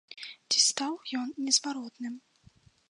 Ці стаў ён незваротным?